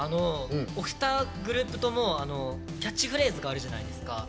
おふたグループともキャッチフレーズがあるじゃないですか。